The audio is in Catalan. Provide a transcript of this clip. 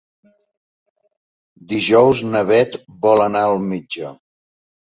Dijous na Bet vol anar al metge.